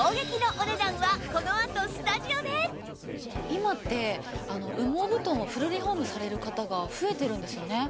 今って羽毛布団をフルリフォームされる方が増えてるんですよね。